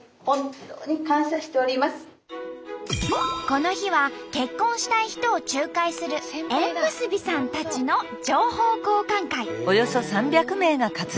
この日は結婚したい人を仲介する縁結びさんたちの情報交換会。